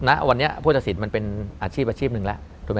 ณวันนี้ผู้ตัดสินมันเป็นอาชีพหนึ่งแล้ว